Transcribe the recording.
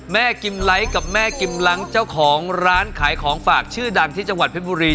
แม่กินไลก์กับแม่กินรังจ้าของร้านขายของฝากชื่อดังที่เจ้าหวัดเผ็ดบุรี